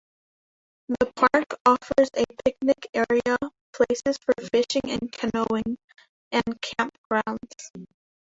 The park offers a picnic area, places for fishing and canoeing, and camp grounds.